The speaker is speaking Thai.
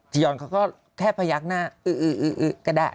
จียอนเขาก็แค่พยักหน้าเอ๊ะเอ๊ะเอ๊ะเอ๊ะก็ได้